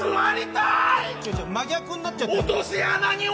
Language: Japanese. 真逆になっちゃってますけど。